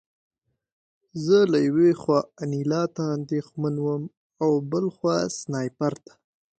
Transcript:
زه له یوې خوا انیلا ته اندېښمن وم او بل خوا سنایپر ته